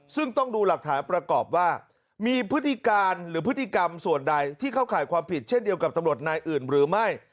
ซึ่งต้องดูหลักฐานประกอบว่ามีพฤติการหรือพฤติกรรมส่วนใดที่เข้าข่ายความผิดเช่นเดียวกับตำรวจนายอื่นหรือไม่